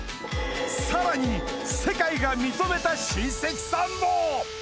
さらに世界が認めた親戚さんも！